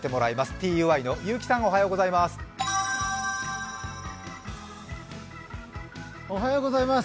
ＴＵＹの結城さんおはようございます。